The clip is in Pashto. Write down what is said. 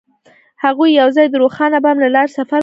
هغوی یوځای د روښانه بام له لارې سفر پیل کړ.